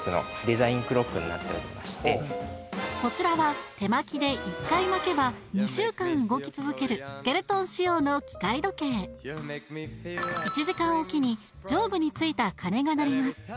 こちらは手巻きで１回巻けば２週間動き続けるスケルトン仕様の機械時計１時間おきに上部についた鐘が鳴ります